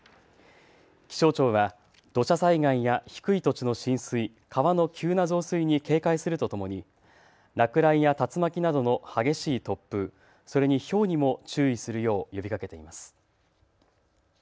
気象庁は土砂災害や低い土地の浸水、川の急な増水に警戒するとともに落雷や竜巻などの激しい突風、それにひょうにも注意するよう呼びかけています。